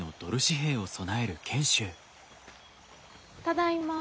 ただいま。